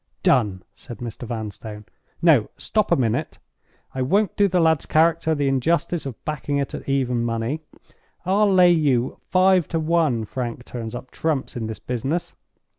"Done!" said Mr. Vanstone. "No: stop a minute! I won't do the lad's character the injustice of backing it at even money. I'll lay you five to one Frank turns up trumps in this business!